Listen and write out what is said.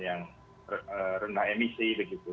yang rendah emisi begitu